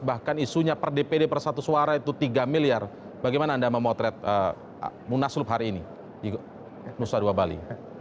bahkan isunya per dpd per satu suara itu tiga miliar bagaimana anda memotret munaslup hari ini di nusa dua bali